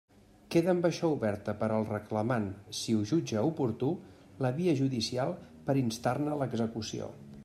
Queda amb això oberta per al reclamant, si ho jutja oportú, la via judicial per a instar-ne l'execució.